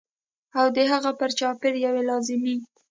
او د هغه پر چاپېر یوې لازمي